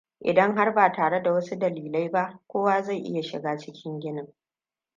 Idan har ba tare da wasu dalilai ba, kowa zai iya shiga cikin ginin.